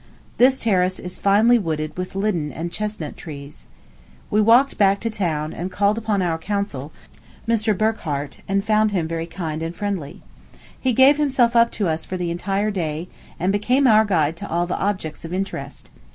This terrace is finely wooded with linden and chestnut trees. We walked back to town, and called upon our consul, Mr. Burchardt, and found him very kind and friendly. He gave himself up to us for the entire day, and became our guide to all the objects of interest.